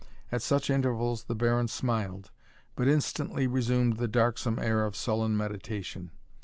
At such intervals the Baron smiled, but instantly resumed the darksome air of sullen meditation.